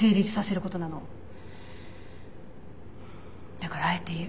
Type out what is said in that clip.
だからあえて言う。